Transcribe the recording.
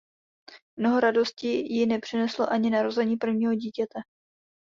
Mnoho radosti jí nepřineslo ani narození prvního dítěte.